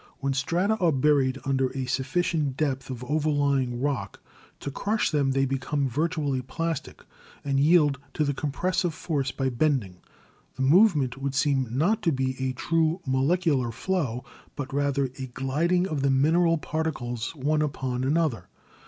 When strata are buried under a sufficient depth of over lying rock to crush them they become virtually plastic, and yield to the compressive force by bending. The move ment would seem not to be a true molecular flow, but rather a gliding of the mineral particles one upon another.